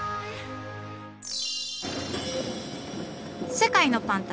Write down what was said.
世界のパン旅。